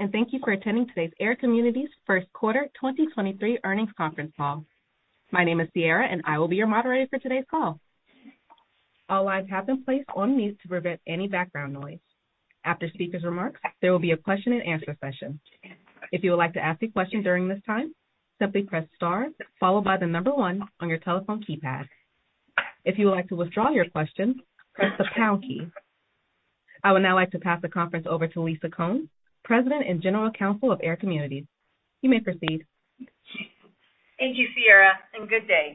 Welcome. Thank you for attending today's AIR Communities first quarter 2023 earnings conference call. My name is Sierra. I will be your moderator for today's call. All lines have been placed on mute to prevent any background noise. After speakers' remarks, there will be a question-and-answer session. If you would like to ask a question during this time, simply press star followed by 1 on your telephone keypad. If you would like to withdraw your question, press the pound key. I would now like to pass the conference over to Lisa Cohn, President and General Counsel of AIR Communities. You may proceed. Thank you, Sierra, and good day.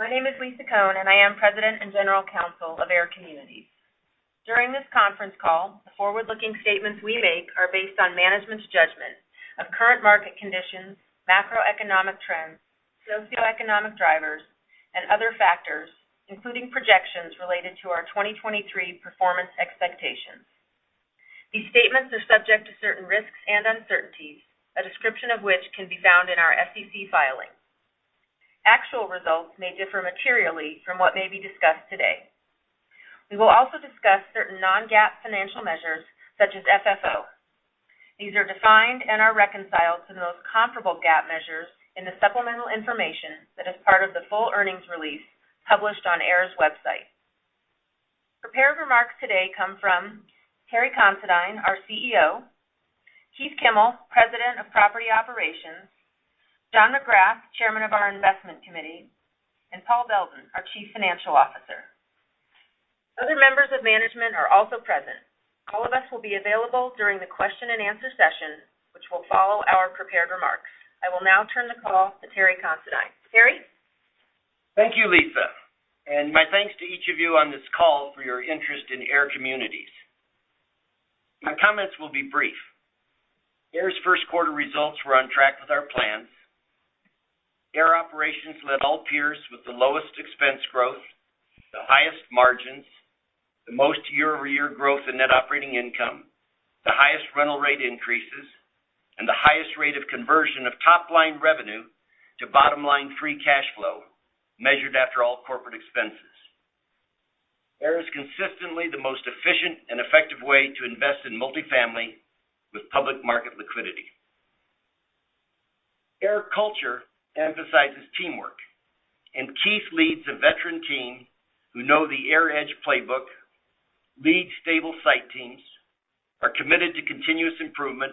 My name is Lisa Cohn, and I am President and General Counsel of AIR Communities. During this conference call, the forward-looking statements we make are based on management's judgment of current market conditions, macroeconomic trends, socioeconomic drivers, and other factors, including projections related to our 2023 performance expectations. These statements are subject to certain risks and uncertainties, a description of which can be found in our SEC filing. Actual results may differ materially from what may be discussed today. We will also discuss certain non-GAAP financial measures such as FFO. These are defined and are reconciled to the most comparable GAAP measures in the supplemental information that is part of the full earnings release published on AIR's website. Prepared remarks today come from Terry Considine, our CEO, Keith Kimmel, President of Property Operations, John McGrath, Chairman of our Investment Committee, and Paul Beldin, our Chief Financial Officer. Other members of management are also present. All of us will be available during the question-and-answer session, which will follow our prepared remarks. I will now turn the call to Terry Considine. Terry. Thank you, Lisa, and my thanks to each of you on this call for your interest in AIR Communities. My comments will be brief. AIR's first quarter results were on track with our plans. AIR Operations led all peers with the lowest expense growth, the highest margins, the most year-over-year growth in net operating income, the highest rental rate increases, and the highest rate of conversion of top-line revenue to bottom line free cash flow measured after all corporate expenses. AIR is consistently the most efficient and effective way to invest in multifamily with public market liquidity. AIR culture emphasizes teamwork, and Keith leads a veteran team who know the AIR Edge playbook, leads stable site teams, are committed to continuous improvement,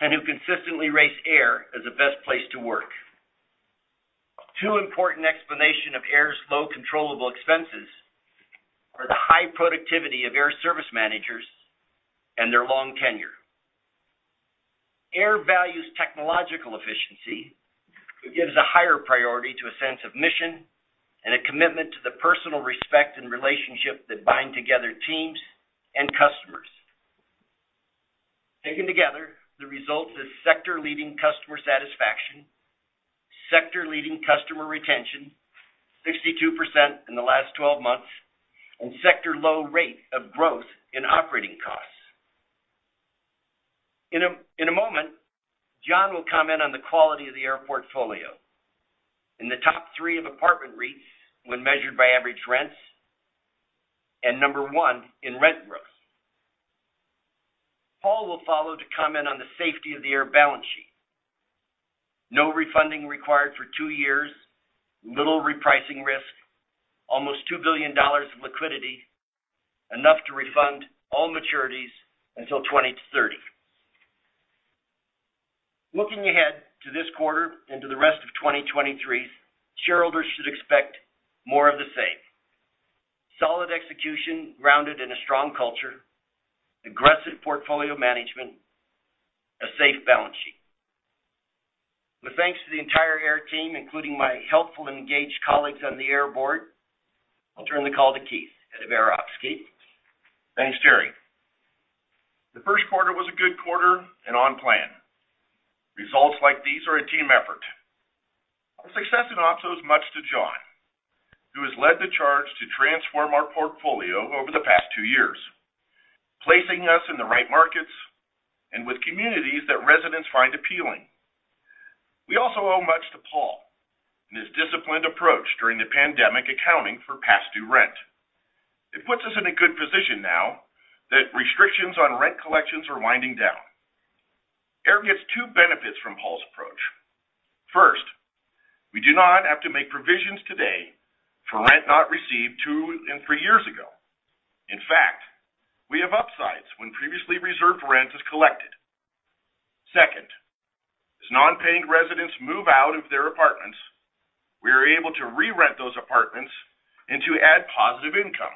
and who consistently raise AIR as the best place to work. Two important explanation of AIR's low controllable expenses are the high productivity of AIR service managers and their long tenure. AIR values technological efficiency. It gives a higher priority to a sense of mission and a commitment to the personal respect and relationship that bind together teams and customers. Taken together, the result is sector-leading customer satisfaction, sector-leading customer retention, 62% in the last 12 months, and sector low rate of growth in operating costs. In a moment, John will comment on the quality of the AIR portfolio. In the top three of apartment REITs when measured by average rents and number one in rent growth. Paul will follow to comment on the safety of the AIR balance sheet. No refunding required for two years, little repricing risk, almost $2 billion of liquidity, enough to refund all maturities until 2030. Looking ahead to this quarter and to the rest of 2023, shareholders should expect more of the same. Solid execution grounded in a strong culture, aggressive portfolio management, a safe balance sheet. With thanks to the entire AIR team, including my helpful and engaged colleagues on the AIR board, I'll turn the call to Keith at AIR Ops. Keith. Thanks, Terry. The first quarter was a good quarter and on plan. Results like these are a team effort. Our success in Ops owes much to John, who has led the charge to transform our portfolio over the past 2 years, placing us in the right markets and with communities that residents find appealing. We also owe much to Paul and his disciplined approach during the pandemic, accounting for past due rent. It puts us in a good position now that restrictions on rent collections are winding down. AIR gets 2 benefits from Paul's approach. First, we do not have to make provisions today for rent not received 2 and 3 years ago. In fact, we have upsides when previously reserved rent is collected. Second, as non-paying residents move out of their apartments, we are able to re-rent those apartments and to add positive income.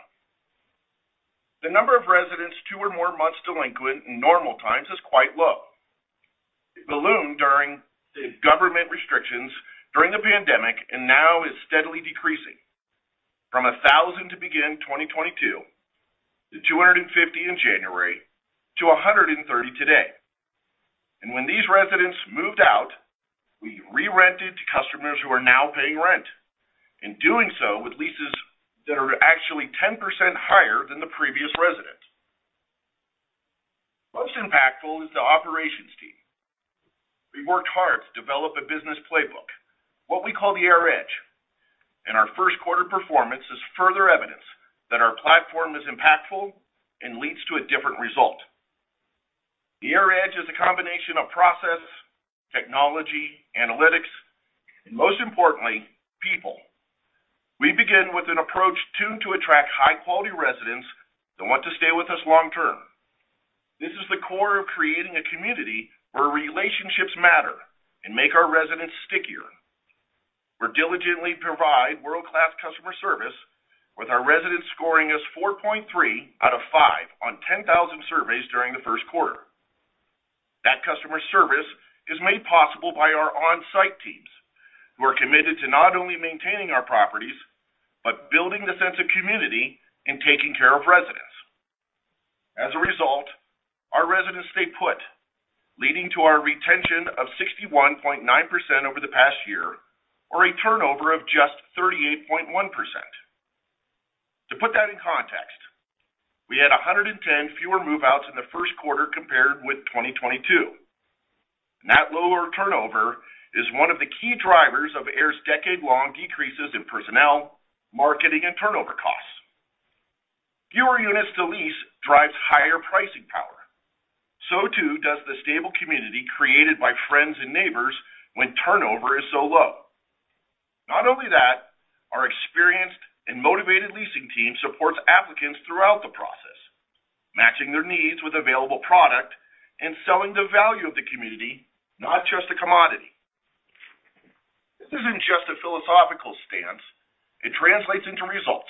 The number of residents 2 or more months delinquent in normal times is quite low. It ballooned during the government restrictions during the pandemic and now is steadily decreasing from 1,000 to begin 2022 to 250 in January to 130 today. When these residents moved out, we re-rented to customers who are now paying rent, and doing so with leases that are actually 10% higher than the previous residents. Most impactful is the operations team. We've worked hard to develop a business playbook, what we call the AIR Edge. Our first quarter performance is further evidence that our platform is impactful and leads to a different result. The AIR Edge is a combination of process, technology, analytics, and most importantly, people. We begin with an approach tuned to attract high-quality residents that want to stay with us long term. This is the core of creating a community where relationships matter and make our residents stickier. We diligently provide world-class customer service with our residents scoring us 4.3 out of 5 on 10,000 surveys during the first quarter. That customer service is made possible by our on-site teams, who are committed to not only maintaining our properties, but building the sense of community and taking care of residents. As a result, our residents stay put, leading to our retention of 61.9% over the past year, or a turnover of just 38.1%. To put that in context, we had 110 fewer move-outs in the first quarter compared with 2022. That lower turnover is one of the key drivers of AIR's decade-long decreases in personnel, marketing, and turnover costs. Fewer units to lease drives higher pricing power, so too does the stable community created by friends and neighbors when turnover is so low. Not only that, our experienced and motivated leasing team supports applicants throughout the process, matching their needs with available product and selling the value of the community, not just a commodity. This isn't just a philosophical stance, it translates into results.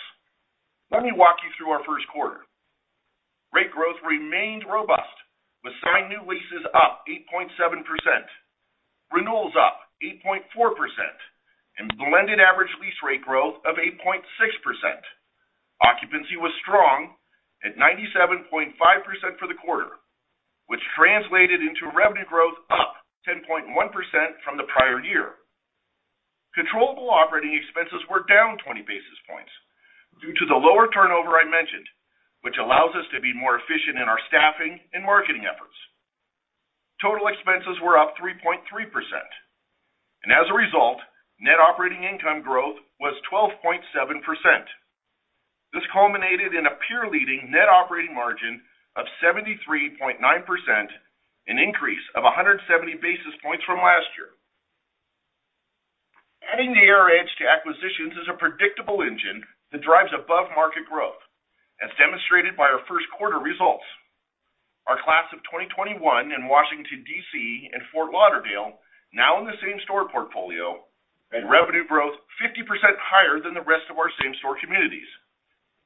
Let me walk you through our first quarter. Rate growth remained robust with signed new leases up 8.7%, renewals up 8.4%, and blended average lease rate growth of 8.6%. Occupancy was strong at 97.5% for the quarter, which translated into revenue growth up 10.1% from the prior year. Controllable operating expenses were down 20 basis points due to the lower turnover I mentioned, which allows us to be more efficient in our staffing and marketing efforts. Total expenses were up 3.3%, and as a result, net operating income growth was 12.7%. This culminated in a peer leading net operating margin of 73.9%, an increase of 170 basis points from last year. Adding the AIR Edge to acquisitions is a predictable engine that drives above-market growth, as demonstrated by our first quarter results. Our class of 2021 in Washington, D.C., and Fort Lauderdale, now in the same-store portfolio, had revenue growth 50% higher than the rest of our same-store communities,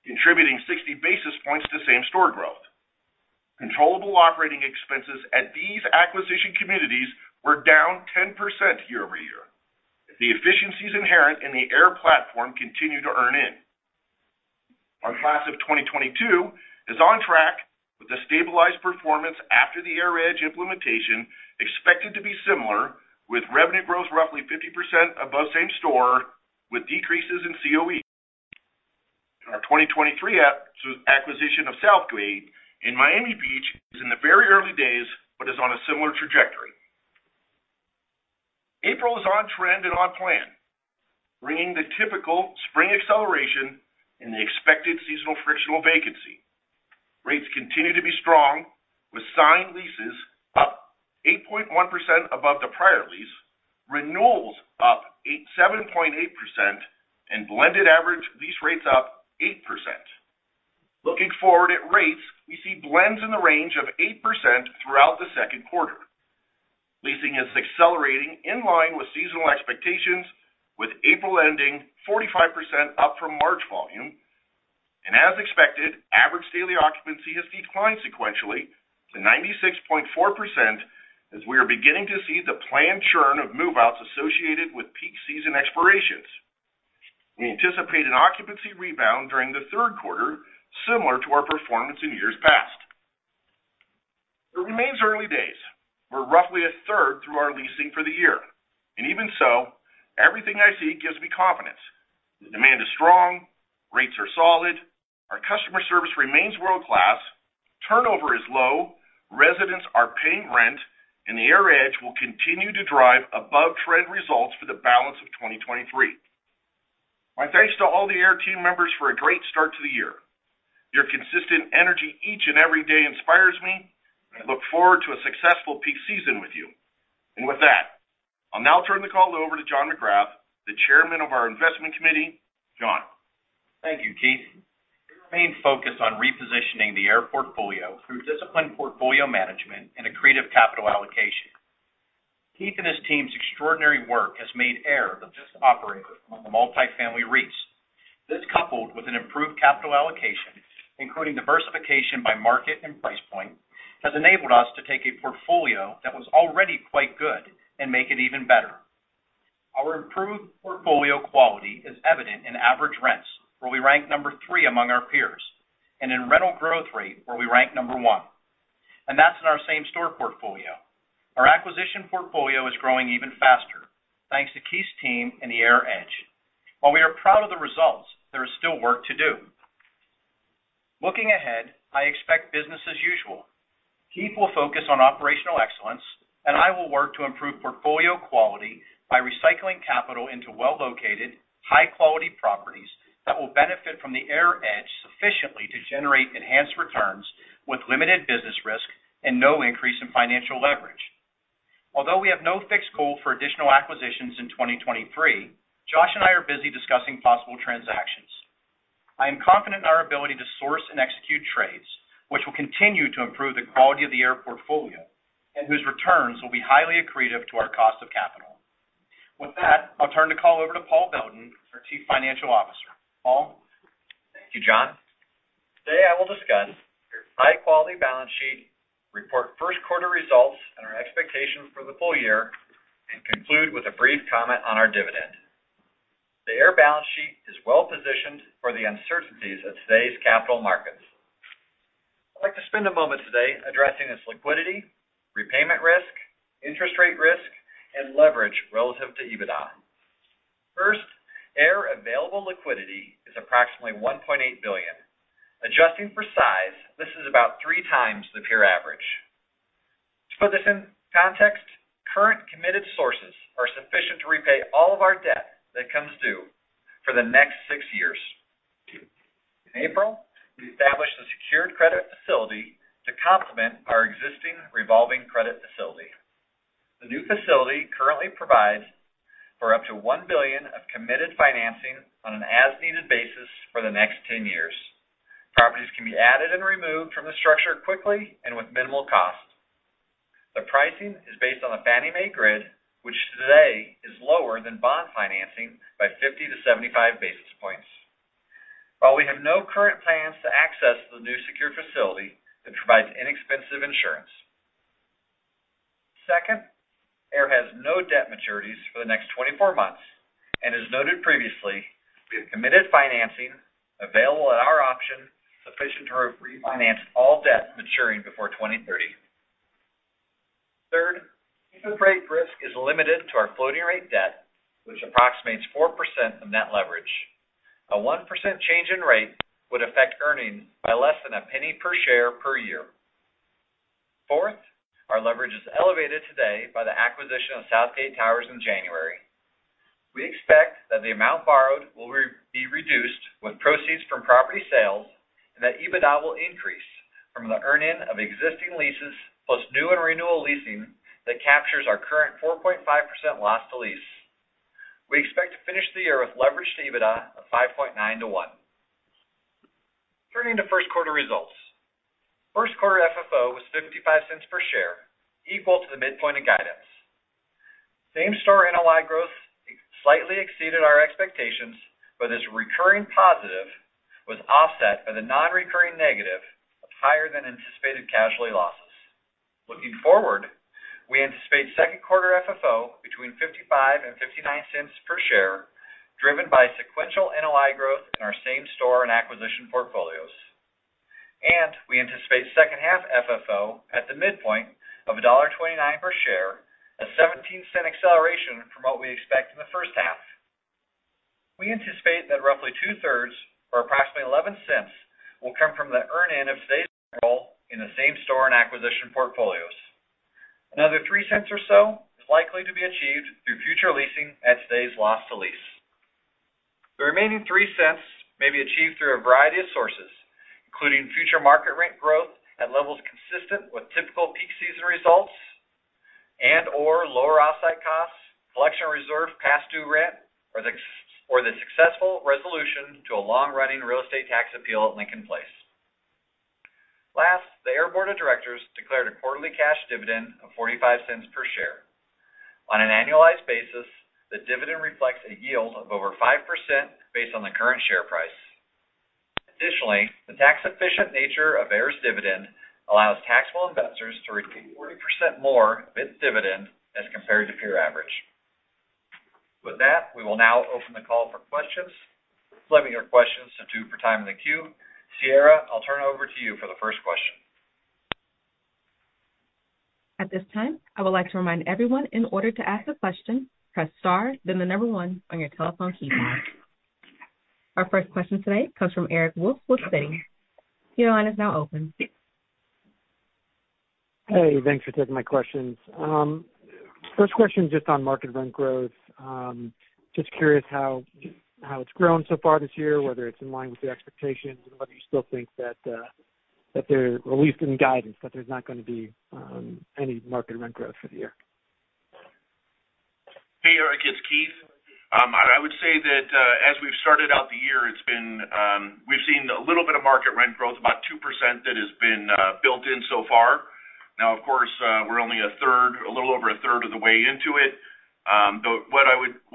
contributing 60 basis points to same-store growth. Controllable operating expenses at these acquisition communities were down 10% year-over-year. The efficiencies inherent in the AIR platform continue to earn in. Our class of 2022 is on track with the stabilized performance after the AIR Edge implementation expected to be similar, with revenue growth roughly 50% above same-store with decreases in COE. Our 2023 acquisition of Southgate Towers in Miami Beach is in the very early days, but is on a similar trajectory. April is on trend and on plan, bringing the typical spring acceleration in the expected seasonal frictional vacancy. Rates continue to be strong with signed leases up 8.1% above the prior lease, renewals up 7.8% and blended average lease rates up 8%. Looking forward at rates, we see blends in the range of 8% throughout the second quarter. Leasing is accelerating in line with seasonal expectations with April ending 45% up from March volume. As expected, average daily occupancy has declined sequentially to 96.4% as we are beginning to see the planned churn of move-outs associated with peak season expirations. We anticipate an occupancy rebound during the third quarter, similar to our performance in years past. It remains early days. We're roughly a third through our leasing for the year. Even so, everything I see gives me confidence. The demand is strong, rates are solid, our customer service remains world-class, turnover is low, residents are paying rent, and the AIR Edge will continue to drive above-trend results for the balance of 2023. My thanks to all the AIR team members for a great start to the year. Your consistent energy each and every day inspires me. I look forward to a successful peak season with you. With that, I'll now turn the call over to John McGrath, the Chairman of our Investment Committee. John. Thank you, Keith. Main focus on repositioning the AIR portfolio through disciplined portfolio management and a creative capital allocation. Keith and his team's extraordinary work has made AIR the best operator on the multifamily REITs. This coupled with an improved capital allocation, including diversification by market and price point, has enabled us to take a portfolio that was already quite good and make it even better. Our improved portfolio quality is evident in average rents, where we rank number three among our peers, and in rental growth rate, where we rank number one. That's in our same-store portfolio. Our acquisition portfolio is growing even faster. Thanks to Keith's team and the AIR Edge. While we are proud of the results, there is still work to do. Looking ahead, I expect business as usual. Keith will focus on operational excellence, and I will work to improve portfolio quality by recycling capital into well-located, high-quality properties that will benefit from the AIR Edge sufficiently to generate enhanced returns with limited business risk and no increase in financial leverage. Although we have no fixed goal for additional acquisitions in 2023, Josh and I are busy discussing possible transactions. I am confident in our ability to source and execute trades, which will continue to improve the quality of the AIR portfolio and whose returns will be highly accretive to our cost of capital. With that, I'll turn the call over to Paul Beldin, our Chief Financial Officer. Paul? Thank you, John. Today, I will discuss your high-quality balance sheet, report first quarter results and our expectations for the full year, conclude with a brief comment on our dividend. The AIR balance sheet is well-positioned for the uncertainties of today's capital markets. I'd like to spend a moment today addressing its liquidity, repayment risk, interest rate risk, and leverage relative to EBITDA. First, AIR available liquidity is approximately $1.8 billion. Adjusting for size, this is about three times the peer average. To put this in context, current committed sources are sufficient to repay all of our debt that comes due for the next six years. In April, we established a secured credit facility to complement our existing revolving credit facility. The new facility currently provides for up to $1 billion of committed financing on an as-needed basis for the next 10 years. Properties can be added and removed from the structure quickly and with minimal cost. The pricing is based on the Fannie Mae grid, which today is lower than bond financing by 50-75 basis points. While we have no current plans to access the new secured facility, it provides inexpensive insurance. Second, AIR has no debt maturities for the next 24 months, and as noted previously, we have committed financing available at our option sufficient to refinance all debt maturing before 2030. Third, interest rate risk is limited to our floating rate debt, which approximates 4% of net leverage. A 1% change in rate would affect earnings by less than $0.01 per share per year. Fourth, our leverage is elevated today by the acquisition of Southgate Towers in January. We expect that the amount borrowed will be reduced with proceeds from property sales, and that EBITDA will increase from the earn-in of existing leases, plus new and renewal leasing that captures our current 4.5% loss to lease. We expect to finish the year with leverage to EBITDA of 5.9:1x. Turning to first quarter results. First quarter FFO was $0.55 per share, equal to the midpoint of guidance. Same-store NOI growth slightly exceeded our expectations. This recurring positive was offset by the non-recurring negative of higher than anticipated casualty losses. Looking forward, we anticipate second quarter FFO between $0.55 and $0.59 per share, driven by sequential NOI growth in our same-store and acquisition portfolios. We anticipate second half FFO at the midpoint of $1.29 per share, a $0.17 acceleration from what we expect in the first half. We anticipate that roughly two-thirds or approximately $0.11 will come from the earn-in of today's role in the same-store and acquisition portfolios. Another $0.03 or so is likely to be achieved through future leasing at today's loss to lease. The remaining $0.03 may be achieved through a variety of sources, including future market rent growth at levels consistent with typical peak season results and/or lower off-site costs, collection reserve past due rent or the successful resolution to a long-running real estate tax appeal at Lincoln Place. The AIR board of directors declared a quarterly cash dividend of $0.45 per share. On an annualized basis, the dividend reflects a yield of over 5% based on the current share price. Additionally, the tax-efficient nature of AIR's dividend allows taxable investors to repeat 40% more with dividend as compared to peer average. With that, we will now open the call for questions. Limit your questions to two for time in the queue. Sierra, I'll turn it over to you for the first question. At this time, I would like to remind everyone in order to ask a question, press star, then the number one on your telephone keypad. Our first question today comes from Eric Wolfe with Citi. Your line is now open. Hey, thanks for taking my questions. First question just on market rent growth. Just curious how it's grown so far this year, whether it's in line with your expectations and whether you still think that, or at least in guidance, that there's not gonna be any market rent growth for the year? Hey, Eric. It's Keith. I would say that as we've started out the year, it's been. We've seen a little bit of market rent growth, about 2% that has been built in so far. Now, of course, we're only a little over a third of the way into it. What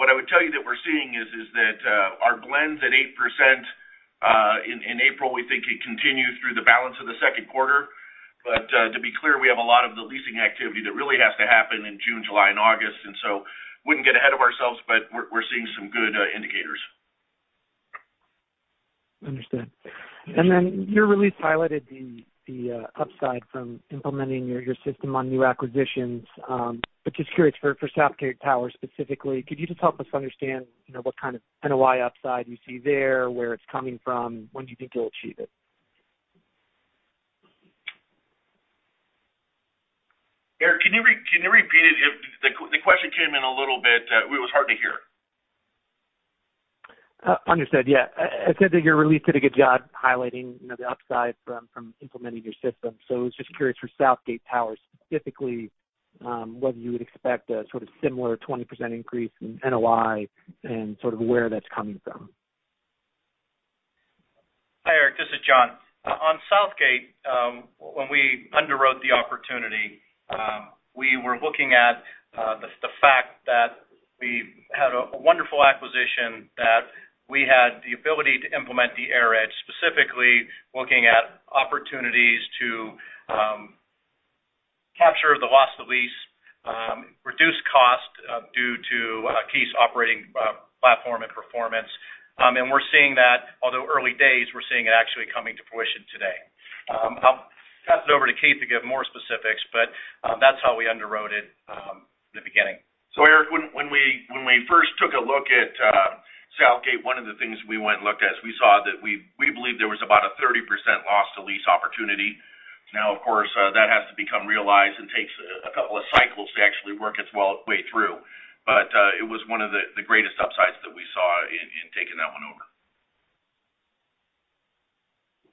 I would tell you that we're seeing is that our blends at 8% in April, we think it continues through the balance of the second quarter. To be clear, we have a lot of the leasing activity that really has to happen in June, July, and August. Wouldn't get ahead of ourselves, but we're seeing some good indicators. Understood. Then your release highlighted the upside from implementing your system on new acquisitions. Just curious for Southgate Towers specifically, could you just help us understand, you know, what kind of NOI upside you see there, where it's coming from, when do you think you'll achieve it? Eric, can you repeat it? The question came in a little bit, it was hard to hear. understood. Yeah. I said that your release did a good job highlighting, you know, the upside from implementing your system. I was just curious for Southgate Towers specifically, whether you would expect a sort of similar 20% increase in NOI and sort of where that's coming from. Hi, Eric, this is John. On Southgate, when we underwrote the opportunity, we were looking at the fact that we had a wonderful acquisition, that we had the ability to implement the AIR Edge, specifically looking at opportunities to capture the loss to lease, reduce cost due to Keith's operating platform and performance. We're seeing that, although early days, we're seeing it actually coming to fruition today. I'll pass it over to Keith to give more specifics, but that's how we underwrote it in the beginning. Eric, when we first took a look at Southgate, one of the things we went and looked at is we saw that we believed there was about a 30% loss to lease opportunity. Of course, that has to become realized and takes a couple of cycles to actually work its well-way through. It was one of the greatest upsides that we saw in taking that one over.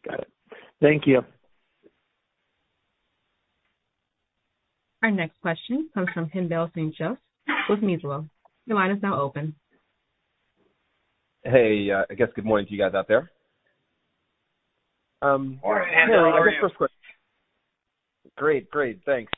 Got it. Thank you. Our next question comes from Haendel St. Juste with Mizuho. Your line is now open. Hey, I guess good morning to you guys out there. Morning, Haendel. How are you? Terry, I guess Great. Thanks.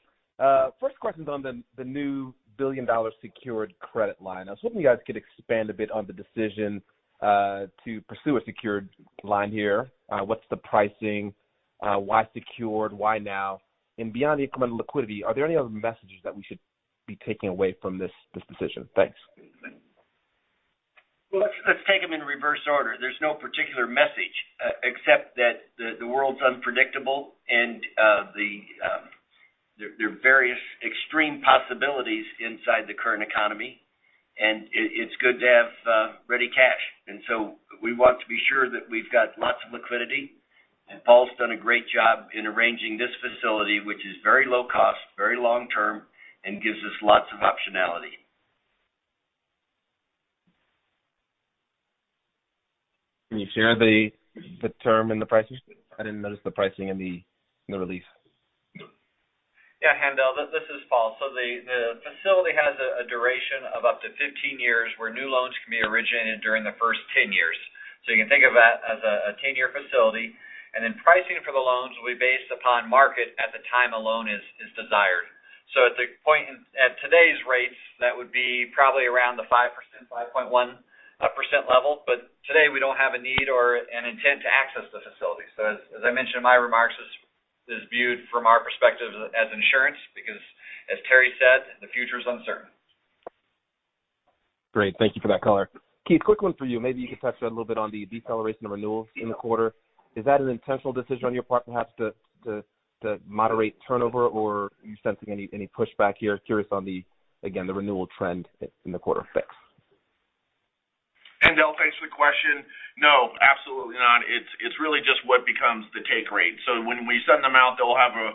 First question's on the new billion-dollar secured credit line. I was hoping you guys could expand a bit on the decision to pursue a secured line here. What's the pricing? Why secured? Why now? Beyond the incremental liquidity, are there any other messages that we should be taking away from this decision? Thanks. Well, let's take them in reverse order. There's no particular message, except that the world's unpredictable and there are various extreme possibilities inside the current economy, and it's good to have ready cash. We want to be sure that we've got lots of liquidity. Paul's done a great job in arranging this facility, which is very low cost, very long term, and gives us lots of optionality. Can you share the term and the pricing? I didn't notice the pricing in the release. Yeah, Haendel, this is Paul. The facility has a duration of up to 15 years, where new loans can be originated during the first 10 years. You can think of that as a 10-year facility. Pricing for the loans will be based upon market at the time a loan is desired. At the point at today's rates, that would be probably around the 5%, 5.1% level. Today, we don't have a need or an intent to access the facility. As I mentioned in my remarks, this is viewed from our perspective as insurance because as Terry said, the future is uncertain. Great. Thank you for that color. Keith, quick one for you. Maybe you could touch a little bit on the deceleration of renewals in the quarter. Is that an intentional decision on your part perhaps to moderate turnover, or are you sensing any pushback here? Curious on the, again, the renewal trend in the quarter. Thanks. Haendel, thanks for the question. No, absolutely not. It's, it's really just what becomes the take rate. When we send them out, they'll have a,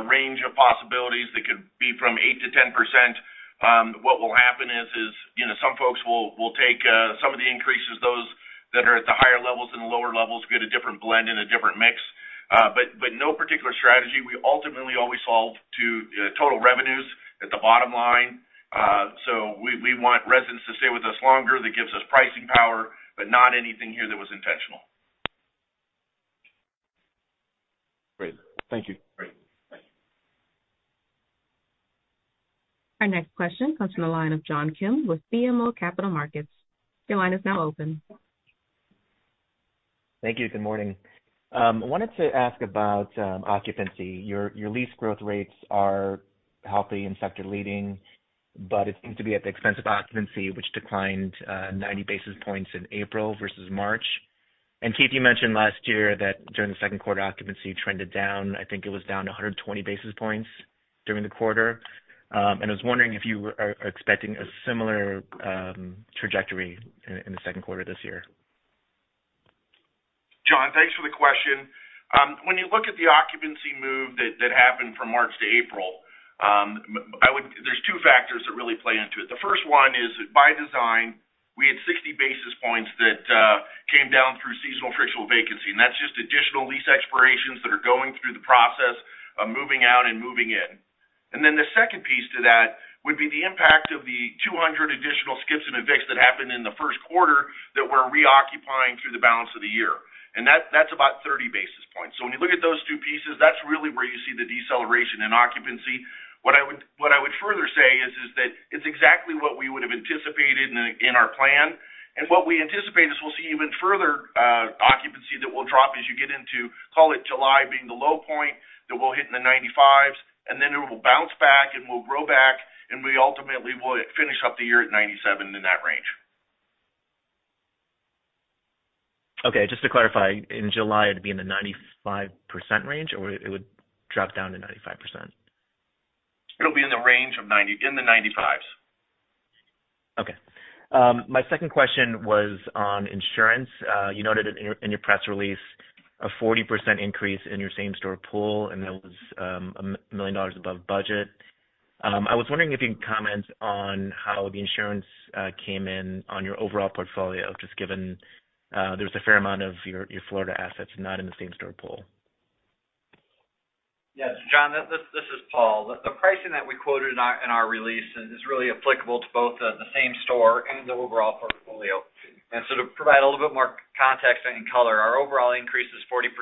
a range of possibilities that could be from 8%-10%. What will happen is, you know, some folks will take some of the increases, those that are at the higher levels and lower levels, get a different blend and a different mix. No particular strategy. We ultimately always solve to total revenues at the bottom line. We want residents to stay with us longer. That gives us pricing power, but not anything here that was intentional. Great. Thank you. Great. Thank you. Our next question comes from the line of John Kim with BMO Capital Markets. Your line is now open. Thank you. Good morning. I wanted to ask about occupancy. Your lease growth rates are healthy and sector leading, but it seems to be at the expense of occupancy, which declined 90 basis points in April versus March. Keith, you mentioned last year that during the second quarter, occupancy trended down. I think it was down 120 basis points during the quarter. I was wondering if you are expecting a similar trajectory in the second quarter this year. John, thanks for the question. When you look at the occupancy move that happened from March to April, there's two factors that really play into it. The first one is that by design, we had 60 basis points that came down through seasonal frictional vacancy. That's just additional lease expirations that are going through the process of moving out and moving in. The second piece to that would be the impact of the 200 additional skips and evicts that happened in the first quarter that we're reoccupying through the balance of the year. That's about 30 basis points. When you look at those two pieces, that's really where you see the deceleration in occupancy. What I would further say is that it's exactly what we would have anticipated in our plan. What we anticipate is we'll see even further occupancy that will drop as you get into, call it July being the low point, that we'll hit in the 95%, and then it will bounce back, and we'll grow back, and we ultimately will finish up the year at 97% in that range. Okay, just to clarify, in July, it'd be in the 95% range or it would drop down to 95%? It'll be in the range of in the 95s. Okay. My second question was on insurance. You noted in your press release a 40% increase in your same-store pool, and that was $1 million above budget. I was wondering if you can comment on how the insurance came in on your overall portfolio, just given there's a fair amount of your Florida assets not in the same-store pool? Yes. John, this is Paul. The pricing that we quoted in our release is really applicable to both the same-store and the overall portfolio. To provide a little bit more context and color, our overall increase is 40%.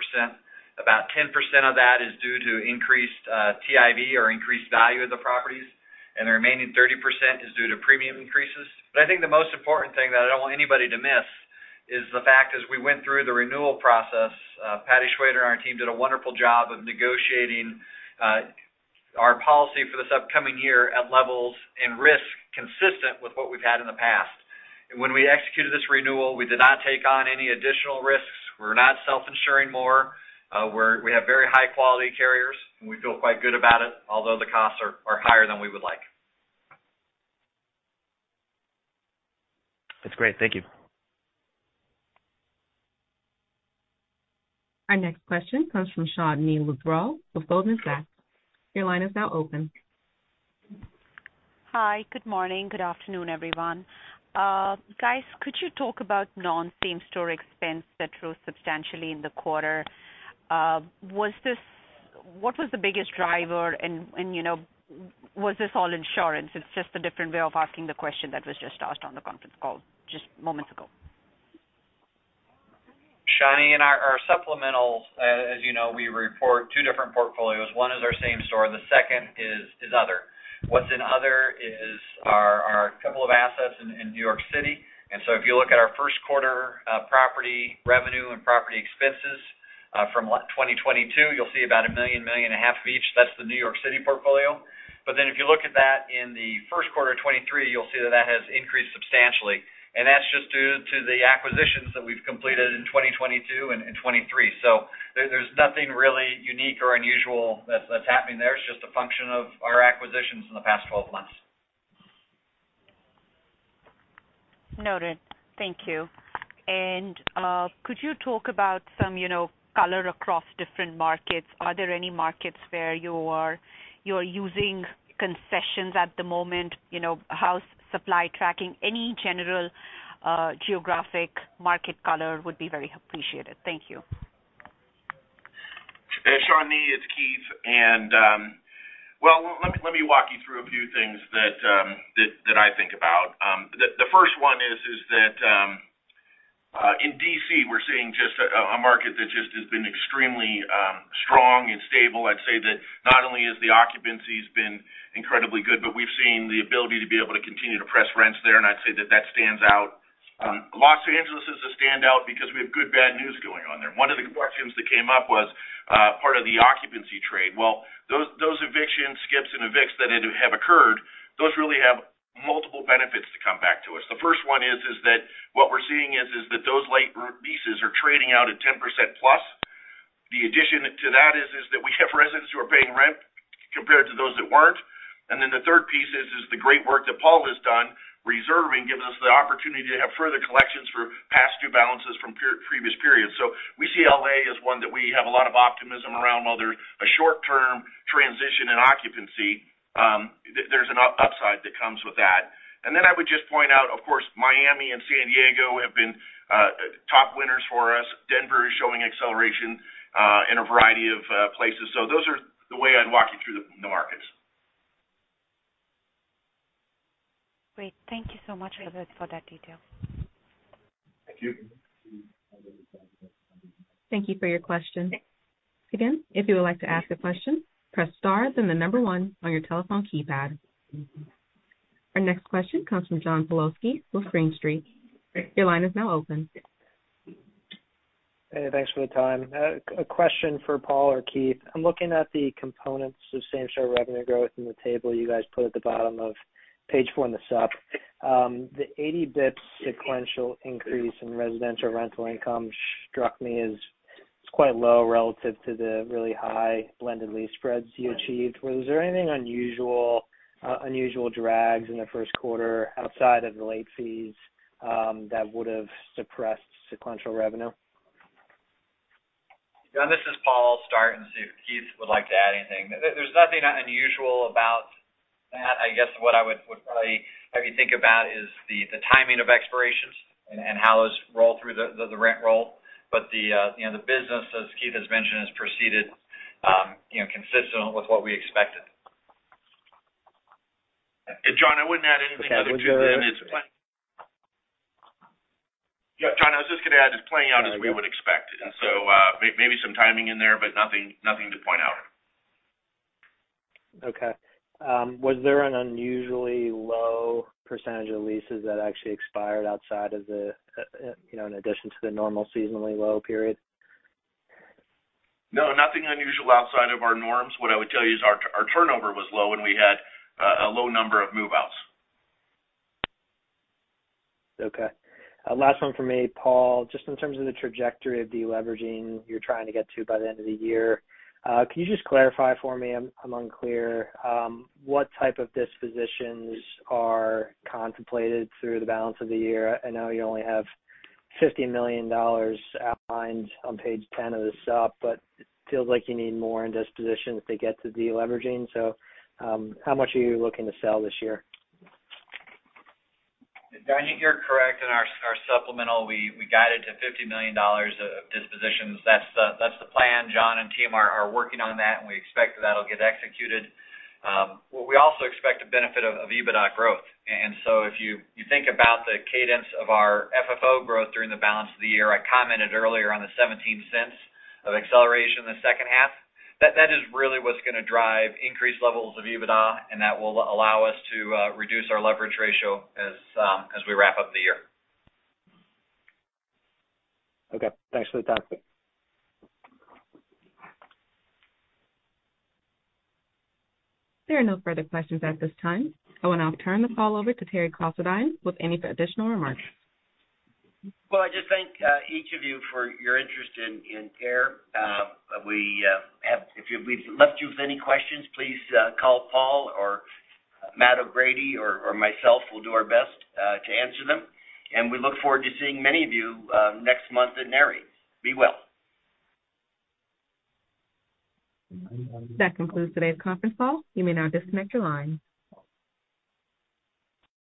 About 10% of that is due to increased TIV or increased value of the properties, and the remaining 30% is due to premium increases. I think the most important thing that I don't want anybody to miss is the fact as we went through the renewal process, Patti Shwayder and our team did a wonderful job of negotiating our policy for this upcoming year at levels and risk consistent with what we've had in the past. When we executed this renewal, we did not take on any additional risks. We're not self-insuring more. We have very high-quality carriers, and we feel quite good about it, although the costs are higher than we would like. That's great. Thank you. Our next question comes from Caitlin Burrows with Goldman Sachs. Your line is now open. Hi. Good morning. Good afternoon, everyone. Guys, could you talk about non-same-store expense that grew substantially in the quarter? What was the biggest driver and, you know, was this all insurance? It's just a different way of asking the question that was just asked on the conference call just moments ago. Shani, in our supplementals, as you know, we report two different portfolios. One is our same-store, and the second is other. What's in other is our couple of assets in New York City. If you look at our first quarter property revenue and property expenses from 2022, you'll see about $a million and a half of each. That's the New York City portfolio. If you look at that in the first quarter of 2023, you'll see that that has increased substantially. That's just due to the acquisitions that we've completed in 2022 and 2023. There's nothing really unique or unusual that's happening there. It's just a function of our acquisitions in the past 12 months. Noted. Thank you. Could you talk about some, you know, color across different markets? Are there any markets where you're using concessions at the moment? You know, how's supply tracking? Any general geographic market color would be very appreciated. Thank you. Hey, Shani, it's Keith. Well, let me walk you through a few things that I think about. The first one is that in D.C., we're seeing just a market that just has been extremely strong and stable. I'd say that not only has the occupancies been incredibly good, but we've seen the ability to be able to continue to press rents there, and I'd say that that stands out. Los Angeles is a standout because we have good-bad news going on there. One of the questions that came up was, part of the occupancy trade. Well, those eviction skips and evicts that have occurred, those really have multiple benefits to come back to us. The first one is that what we're seeing is that those late leases are trading out at 10%+. The addition to that is that we have residents who are paying rent compared to those that weren't. The third piece is the great work that Paul has done reserving gives us the opportunity to have further collections for past due balances from previous periods. We see L.A. as one that we have a lot of optimism around while there's a short-term transition in occupancy, there's an upside that comes with that. Then I would just point out, of course, Miami and San Diego have been top winners for us. Denver is showing acceleration in a variety of places. Those are the way I'd walk you through the markets. Great. Thank you so much for that detail. Thank you. Thank you for your question. Again, if you would like to ask a question, press star, then 1 on your telephone keypad. Our next question comes from John Pawlowski with Green Street. Your line is now open. Hey, thanks for the time. A question for Paul or Keith. I'm looking at the components of same-store revenue growth in the table you guys put at the bottom of page one, the sup. The 80 basis points sequential increase in residential rental income struck me as it's quite low relative to the really high blended lease spreads you achieved. Was there anything unusual drags in the first quarter outside of the late fees, that would have suppressed sequential revenue? John, this is Paul. I'll start and see if Keith would like to add anything. There's nothing unusual about that. I guess what I would probably have you think about is the timing of expirations and how those roll through the rent roll. The business, as Keith has mentioned, has proceeded, you know, consistent with what we expected. John, I wouldn't add anything other than it's. Yeah, John, I was just gonna add it's playing out as we would expect. Maybe some timing in there, but nothing to point out. Was there an unusually low percentage of leases that actually expired outside of the, you know, in addition to the normal seasonally low period? No, nothing unusual outside of our norms. What I would tell you is our turnover was low, and we had a low number of move-outs. Okay. Last one for me, Paul. Just in terms of the trajectory of deleveraging you're trying to get to by the end of the year, can you just clarify for me, I'm unclear, what type of dispositions are contemplated through the balance of the year? I know you only have $50 million outlined on page 10 of the sup, but it feels like you need more in disposition to get to deleveraging. How much are you looking to sell this year? John, you're correct. In our supplemental, we guided to $50 million of dispositions. That's the plan. John and team are working on that, and we expect that that'll get executed. We also expect the benefit of EBITDA growth. If you think about the cadence of our FFO growth during the balance of the year, I commented earlier on the $0.17 of acceleration in the second half. That is really what's gonna drive increased levels of EBITDA, and that will allow us to reduce our leverage ratio as we wrap up the year. Okay. Thanks for the time. There are no further questions at this time. I will now turn the call over to Terry Considine with any additional remarks. Well, I just thank each of you for your interest in AIR. If we've left you with any questions, please call Paul or Matthew O'Grady or myself. We'll do our best to answer them. We look forward to seeing many of you next month at Nareit. Be well. That concludes today's conference call. You may now disconnect your line.